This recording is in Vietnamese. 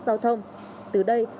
giao thông từ đây